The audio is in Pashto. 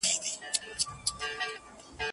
نسیمه را خبر که په سفر تللي یاران